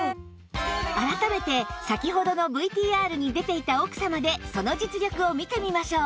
改めて先ほどの ＶＴＲ に出ていた奥様でその実力を見てみましょう